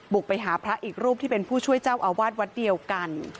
ไปหาพระอีกรูปที่เป็นผู้ช่วยเจ้าอาวาสวัดเดียวกัน